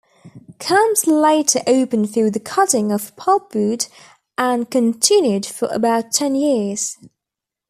Camps later opened for the cutting of pulpwood and continued for about ten years.